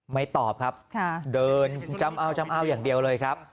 ไม่ตอบครับเดินจำเอาจำเอาอย่างเดียวเลยครับ